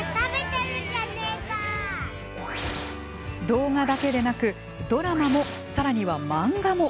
動画だけでなく、ドラマもさらにはマンガも。